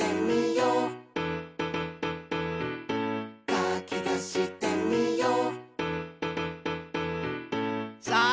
「かきたしてみよう」さあ！